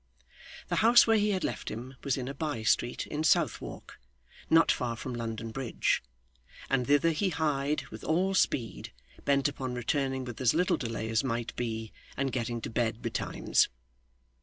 The house where he had left him was in a by street in Southwark, not far from London Bridge; and thither he hied with all speed, bent upon returning with as little delay as might be, and getting to bed betimes.